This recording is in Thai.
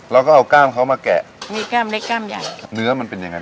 แล้วก็เอากล้ามเขามาแกะนี่กล้ามเล็กกล้ามใหญ่ครับเนื้อมันเป็นยังไง